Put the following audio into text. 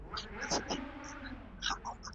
هغه د ښار د ساتنې لپاره پلان جوړ کړ.